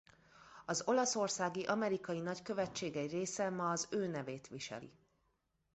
Az olaszországi amerikai nagykövetség egy része ma az ő nevét viseli.